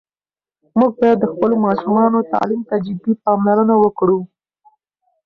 موږ باید د خپلو ماشومانو تعلیم ته جدي پاملرنه وکړو.